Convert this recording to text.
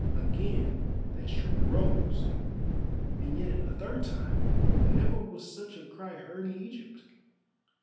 Again that shriek rose, and yet a third time, never was such a cry heard in Egypt.